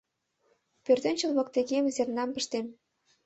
Пӧртӧнчыл воктекем зернам пыштем